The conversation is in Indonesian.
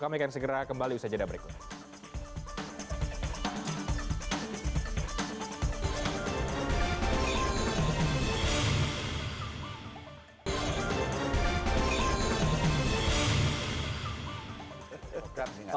kami akan segera kembali usai jadwal berikutnya